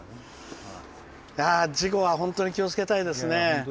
事故は本当に気をつけたいですね。